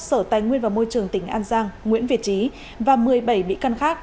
sở tài nguyên và môi trường tỉnh an giang nguyễn việt trí và một mươi bảy bị căn khác